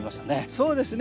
そうですね。